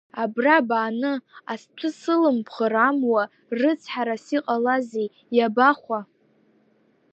Абра бааны ацҭәы сылбымхыр амуа рыцҳарас иҟалазеи, иабахәа…